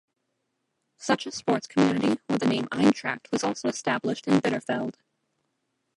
Such a sports community with the name "Eintracht" was also established in Bitterfeld.